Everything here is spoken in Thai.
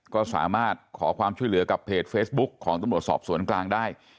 ก็สามารถขอความช่วยเหลือกับเพจเฟซบุ๊คของตำรวจสอบสวนกลางได้